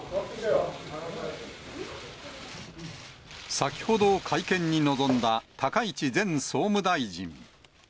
先ほど会見に臨んだ高市前総務大臣。